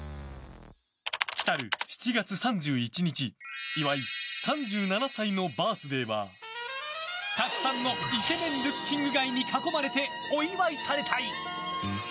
来たる７月３１日岩井、３７歳のバースデーはたくさんのイケメン・ルッキング・ガイに囲まれてお祝いされたい。